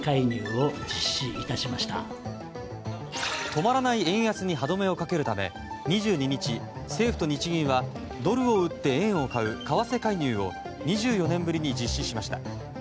止まらない円安に歯止めをかけるため２２日、政府と日銀はドルを売って円を買う為替介入を２４年ぶりに実施しました。